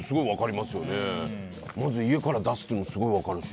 まず、家から出すっていうのもすごい分かるし。